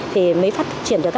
thì mới phát triển